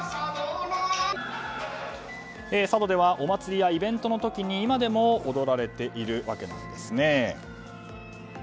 佐渡ではお祭りやイベントの時に今でも踊られているわけなんです。